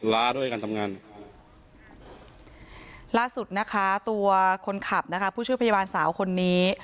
ล่าสุดนะคะตัวคนขับนะคะผู้ชื่อพยาบาลสาวคนนี้